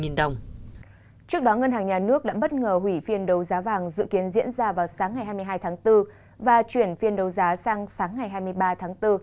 trước đó ngân hàng nhà nước đã bất ngờ hủy phiên đấu giá vàng dự kiến diễn ra vào sáng ngày hai mươi hai tháng bốn và chuyển phiên đấu giá sang sáng ngày hai mươi ba tháng bốn